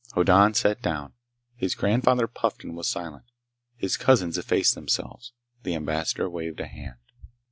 Hoddan sat down. His grandfather puffed and was silent. His cousins effaced themselves. The Ambassador waved a hand.